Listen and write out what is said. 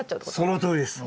そのとおりです。